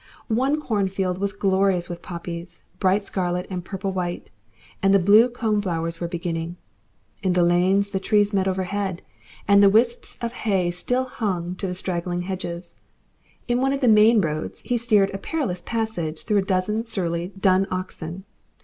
One cornfield was glorious with poppies, bright scarlet and purple white, and the blue corn flowers were beginning. In the lanes the trees met overhead, and the wisps of hay still hung to the straggling hedges. Iri one of the main roads he steered a perilous passage through a dozen surly dun oxen.